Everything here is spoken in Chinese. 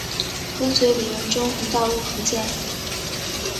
跟随李文忠一道入福建。